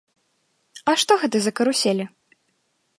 А што гэта за каруселі?